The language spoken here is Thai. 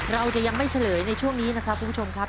เราจะยังไม่เฉลยในช่วงนี้นะครับคุณผู้ชมครับ